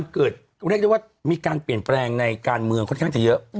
เกิดมีการเปลี่ยนแปลงในการเมืองค่อนข้างที่เยอะ